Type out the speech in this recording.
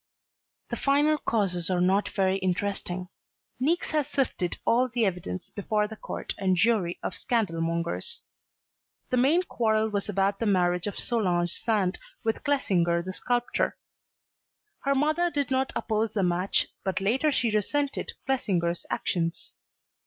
The final causes are not very interesting. Niecks has sifted all the evidence before the court and jury of scandal mongers. The main quarrel was about the marriage of Solange Sand with Clesinger the sculptor. Her mother did not oppose the match, but later she resented Clesinger's actions.